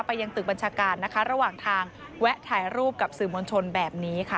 ยังตึกบัญชาการนะคะระหว่างทางแวะถ่ายรูปกับสื่อมวลชนแบบนี้ค่ะ